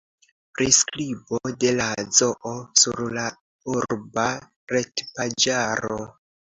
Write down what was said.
Priskribo de la zoo sur la urba retpaĝaro.